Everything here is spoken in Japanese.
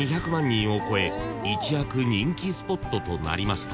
［一躍人気スポットとなりました］